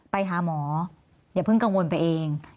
ไปหาหมออย่าเพิ่งกังวลไปเอง